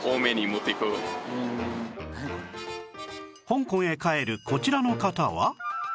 香港へ帰るこちらの方は